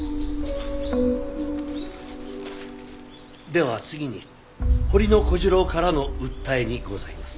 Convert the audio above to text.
では次に掘小次朗からの訴えにございます。